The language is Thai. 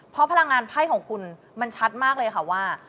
เพราะพลังงานไพ่ของคุณมันชัดมากเลยค่ะว่า